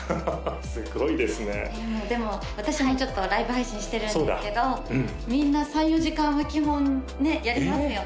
すごいですねでも私もちょっとライブ配信してるんですけどみんな３４時間は基本ねやりますよね？